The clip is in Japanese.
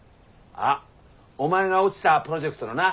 あお前が落ちたプロジェクトのな？